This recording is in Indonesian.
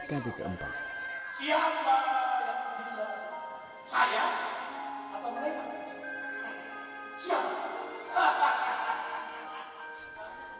siapa yang gila saya atau mereka siapa